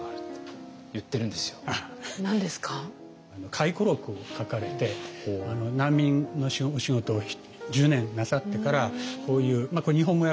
回顧録を書かれて難民のお仕事を１０年なさってからこういうこれ日本語訳も出ていて。